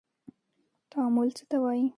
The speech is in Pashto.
تعامل څه ته وايي.